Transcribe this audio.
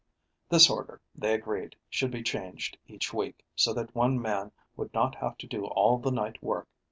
This order, they agreed, should be changed each week, so that one man would not have to do all the night work.